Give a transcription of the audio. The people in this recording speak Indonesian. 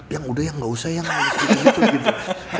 yang udah ya gak usah ya gak usah gitu gitu